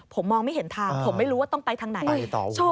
ผมมองไม่เห็นทางผมไม่รู้ว่าต้องไปทางไหน